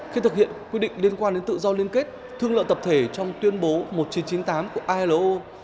khi thực hiện quy định liên quan đến tự do liên kết thương lợi tập thể trong tuyên bố một nghìn chín trăm chín mươi tám của ilo